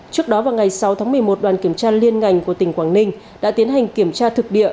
trước đó vào ngày sáu tháng một mươi một đoàn kiểm tra liên ngành của tỉnh quảng ninh đã tiến hành kiểm tra thực địa